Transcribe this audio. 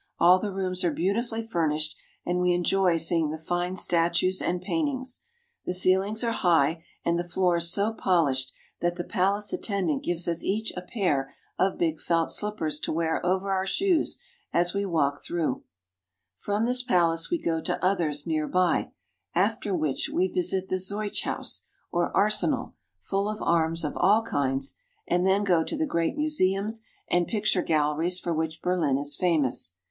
All the rooms are beautifully furnished, and we enjoy seeing the fine statues and paint ings. The ceilings are high, and the floors so polished that the palace attendant gives us each a pair of big felt slippers to wear over our shoes as we walk through. From this palace we go to others near by, after which we visit the Zeughaus (zoich' house), or arsenal, full of arms of HOW GERMANY IS GOVERNED. 219 "We spend some time in the university," all kinds, and then go to the great museums and picture galleries for which Berlin is famous.